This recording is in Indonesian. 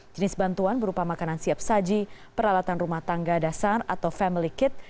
jenis bantuan berupa makanan siap saji peralatan rumah tangga dasar atau family kit